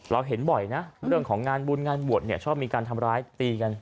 เห็นบ่อยนะเรื่องของงานบุญงานบวชเนี่ยชอบมีการทำร้ายตีกัน